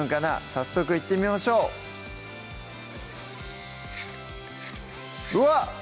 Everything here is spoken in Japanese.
早速いってみましょううわっ！